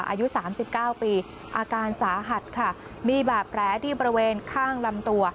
อายุสามสิบเก้าปีอาการสาหัสค่ะมีบาดแผลที่บริเวณข้างลำตัว